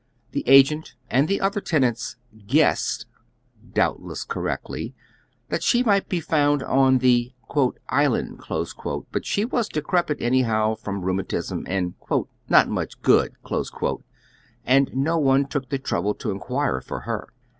Theagentand tlie other tenants "guessed," doubtless correctly, that she might he found on the "isl and," but she was decrepit anyhow from rheumatism, and " not much good," and )io one took the trouble to inquire for her.